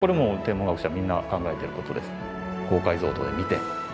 これも天文学者はみんな考えてることです。